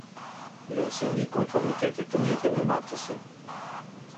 Vlerësimi i Konformitetit te mjeteve matëse.